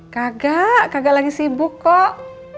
kagak kakak lagi sibuk kok